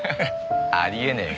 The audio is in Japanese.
ありえねえ